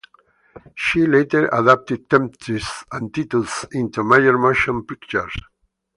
She later adapted "Tempest" and "Titus" into major motion pictures.